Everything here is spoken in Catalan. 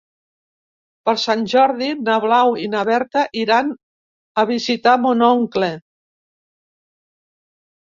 Per Sant Jordi na Blau i na Berta iran a visitar mon oncle.